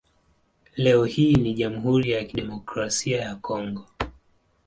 Leo hii ni Jamhuri ya Kidemokrasia ya Kongo.